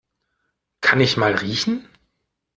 Kann ich mal riechen?